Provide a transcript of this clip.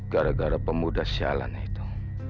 gara gara pemuda sialan itu